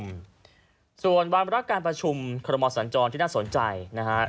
มาร่วมประชุมส่วนวารักษ์การประชุมครมศาลจรที่น่าสนใจนะฮะ